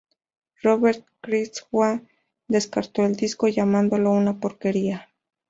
Robert Christgau descartó el disco llamándolo "una porquería".